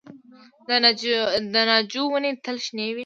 د ناجو ونې تل شنې وي؟